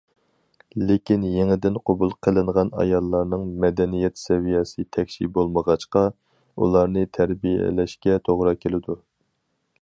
لېكىن يېڭىدىن قوبۇل قىلىنغان ئاياللارنىڭ مەدەنىيەت سەۋىيەسى تەكشى بولمىغاچقا، ئۇلارنى تەربىيەلەشكە توغرا كەلدى.